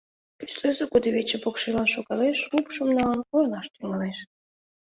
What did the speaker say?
Кӱслезе кудывече покшелан шогалеш, упшым налын, ойлаш тӱҥалеш.